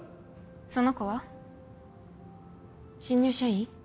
その子は？新入社員？